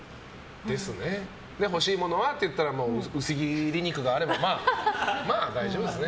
欲しいものは？って聞かれたら薄切り肉があればまあ大丈夫ですね。